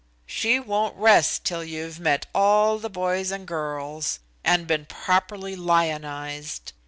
She won't rest till you've met all the boys and girls and been properly lionized.